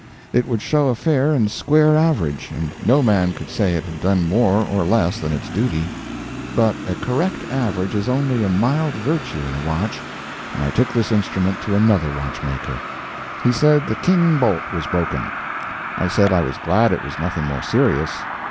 It would show a fair and square average, and no man could say it had done more or less than its duty. But a correct average is only a mild virtue in a watch, and I took this instrument to another watchmaker. He said the king bolt was broken. I said I was glad it was nothing more serious.